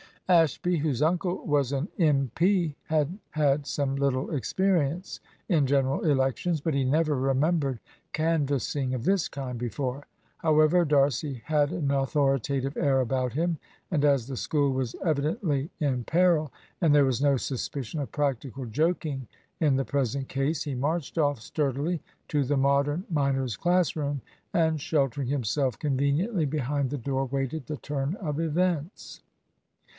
Ashby, whose uncle was an M.P., had had some little experience in general elections, but he never remembered canvassing of this kind before. However, D'Arcy had an authoritative air about him, and as the School was evidently in peril, and there was no suspicion of practical joking in the present case, he marched off sturdily to the Modern minors' class room, and sheltering himself conveniently behind the door, waited the turn of events.